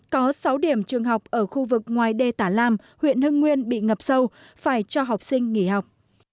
có sáu điểm trường học ở khu vực ngoài đê tả lam huyện hưng nguyên bị ngập sâu phải cho học sinh nghỉ học